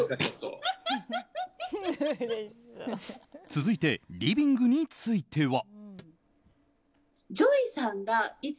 続いて、リビングについては。